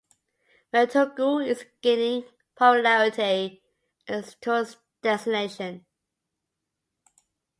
Mentougou is gaining popularity as a tourist destination.